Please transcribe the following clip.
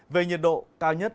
về nhiệt độ cao nhất